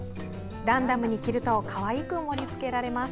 ランダムに切るとかわいく盛りつけられます。